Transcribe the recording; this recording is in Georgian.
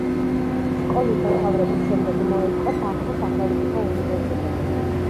სკოლის დამთავრების შემდეგ მოეწყო ბაქო სახელმწიფო უნივერსიტეტში.